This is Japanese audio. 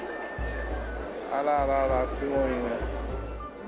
あらららすごいね。